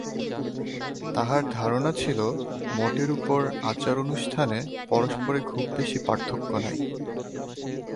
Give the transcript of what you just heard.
তাহার ধারণা ছিল মোটের উপর আচার-অনুষ্ঠানে পরস্পরে খুব বেশি পার্থক্য নাই।